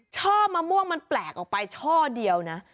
ช่อมะม่วงมันแปลกออกไปช่อเดียวนะ